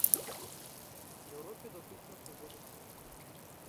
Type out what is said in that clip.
Еўропе датычна свабоды слова.